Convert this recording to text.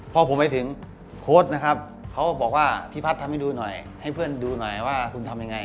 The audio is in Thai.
พอผมไปถึงโค้ดนะครับเขาบอกว่าพี่พัฒน์ทำให้ดูหน่อยให้เพื่อนดูหน่อยว่าคุณทำยังไง